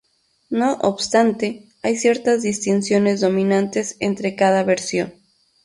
No obstante, hay ciertas distinciones dominantes entre cada versión.